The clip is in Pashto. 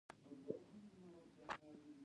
مږور او خواښې دواړه جنګونه کوي